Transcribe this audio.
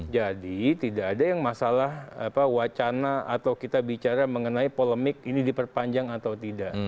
tidak ada yang masalah wacana atau kita bicara mengenai polemik ini diperpanjang atau tidak